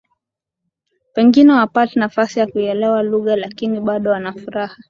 Pengine hawapati nafasi ya kuielewa lugha lakini bado wana furaha